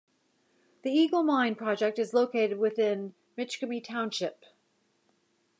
The Eagle mine project is located within Michgamme Township.